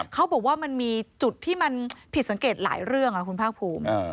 เขาบอกว่ามันมีจุดที่มันผิดสังเกตหลายเรื่องคุณภาคภูมิ